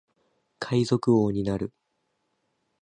海賊王になる